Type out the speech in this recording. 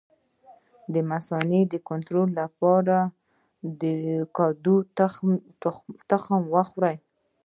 د مثانې د کنټرول لپاره د کدو تخم وخورئ